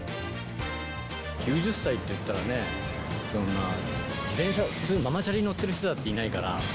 ９０歳っていったらね、そんな自転車、普通、ママチャリ乗ってる人だっていないから。